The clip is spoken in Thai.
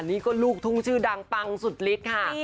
นี่ก็ลูกทุ่งชื่อดังปังสุดฤทธิ์ค่ะ